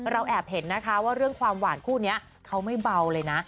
แอบเห็นนะคะว่าเรื่องความหวานคู่นี้เขาไม่เบาเลยนะ